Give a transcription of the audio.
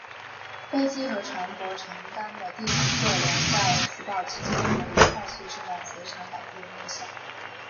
飞机和船舶承担的地磁测量在磁暴期间可以快速的受到磁场改变影响。